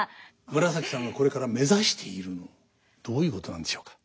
紫さんがこれから目指しているのどういうことなんでしょうか？